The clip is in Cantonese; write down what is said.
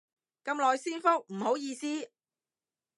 咁耐先覆，唔好意思